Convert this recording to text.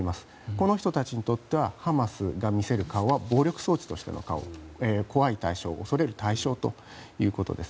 この人たちにとってはハマスが見せる顔は暴力装置としての顔で恐れる対象というわけです。